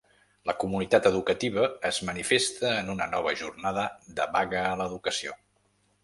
La comunitat educativa es manifesta en una nova jornada de vaga a l’educació.